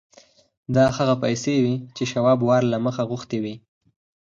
دا هغه پیسې وې چې شواب وار له مخه غوښتي وو